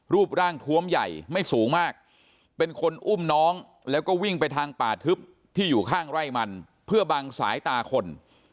รูปร่างทวมใหญ่ไม่สูงมากเป็นคนอุ้มน้องแล้วก็วิ่งไปทางป่าทึบที่อยู่ข้างไร่มันเพื่อบังสายตาคน